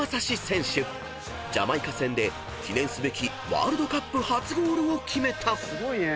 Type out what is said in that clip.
［ジャマイカ戦で記念すべきワールドカップ初ゴールを決めた］